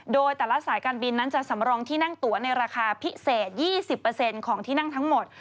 โดยแต่ละสายการบินนั้นจะสำรองที่นั่งตัวในราคาพิเศษ๒๐ของที่นั่งทั้งหมด